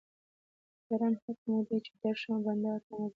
یارانو حق مو دی چې درشمه بنډار ته مګر